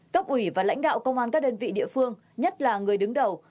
cấp ủy và lãnh đạo công an các đơn vị địa phương nhất là người đứng đầu